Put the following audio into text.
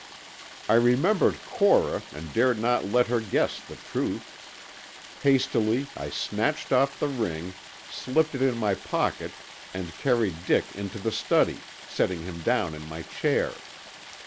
I remembered Cora and dared not let her guess the truth. Hastily I snatched off the ring, slipped it in my pocket and carried Dick into the study, setting him down in my chair.